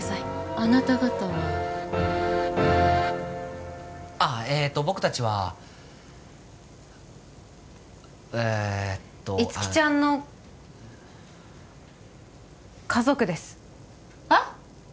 あなた方はああえーっと僕達はえーっといつきちゃんの家族ですはっ！？